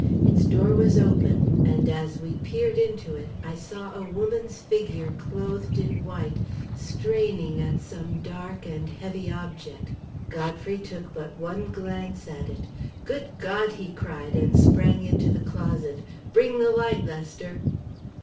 Its door was open and, as we peered into it, I saw a woman's figure clothed in white straining at some dark and heavy object. Godfrey took but one glance at it. "Good God!" he cried, and sprang into the closet. "Bring the light, Lester."